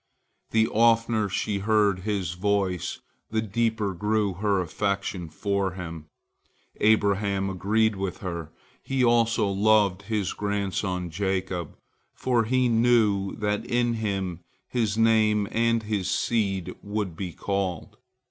The oftener she heard his voice, the deeper grew her affection for him. Abraham agreed with her. He also loved his grandson Jacob, for he knew that in him his name and his seed would be called.